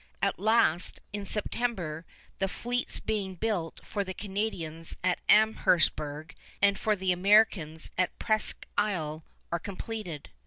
At last, in September, the fleets being built for the Canadians at Amherstburg and for the Americans at Presqu' Isle are completed.